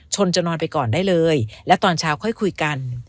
จะนอนไปก่อนได้เลยและตอนเช้าค่อยคุยกัน